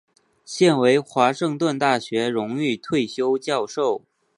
现为华盛顿大学荣誉退休教授。